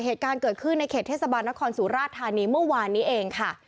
เหตุการณ์เกิดขึ้นในเขตเทศบาลนครสุราชธานีเมื่อวานนี้เองค่ะ